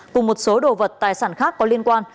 cùng một số đồ vật tài sản khác có liên quan